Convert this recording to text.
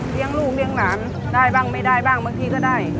เลี้ยงลูกเลี้ยงหลานได้บ้างไม่ได้บ้างบางทีก็ได้